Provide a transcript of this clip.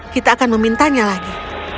kita akan memintanya lagi